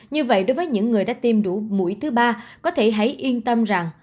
như vậy đối với những người đã tiêm đủ mũi thứ ba có thể hãy yên tâm rằng